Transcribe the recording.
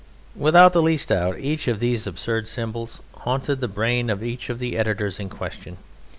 Without the least doubt each of these absurd symbols haunted the brain of each of the editors in question.